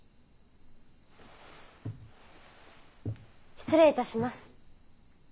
失礼いたします。